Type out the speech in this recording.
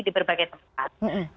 di berbagai tempat